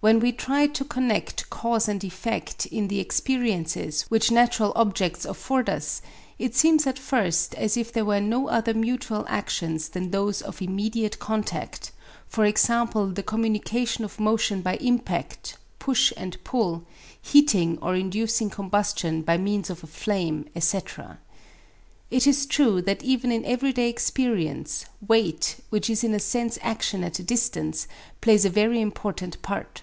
When we try to connect cause and effect in the experiences which natural objects afford us, it seems at first as if there were no other mutual actions than those of immediate contact, e.g. the communication of motion by impact, push and pull, heating or inducing combustion by means of a flame, etc. It is true that even in everyday experience weight, which is in a sense action at a distance, plays a very important part.